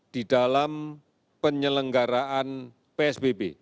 di dalam penyelenggaraan psbb